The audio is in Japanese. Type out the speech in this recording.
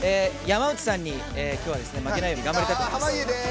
山内さんに負けないように頑張りたいと思います。